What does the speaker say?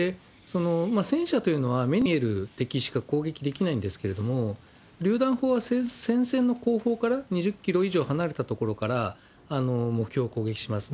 戦車というのは、目に見える敵しか攻撃できないんですけれども、りゅう弾砲は前線の後方から、２０キロ以上離れた所から目標を攻撃します。